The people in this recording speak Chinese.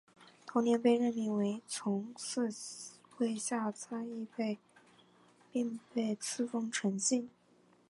同年被任命为从四位下参议并被下赐丰臣姓。